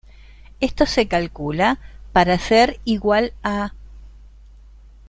Esto se calcula para ser igual a